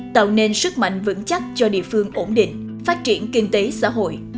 tạo nên sức mạnh vững chắc cho địa phương ổn định phát triển kinh tế xã hội